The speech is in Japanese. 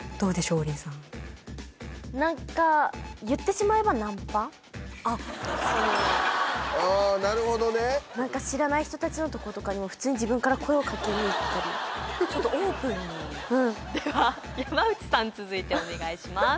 王林さん何か言ってしまえばナンパああなるほどね知らない人たちのとことかにも普通に自分から声をかけに行ってちょっとオープンにうんでは山内さん続いてお願いします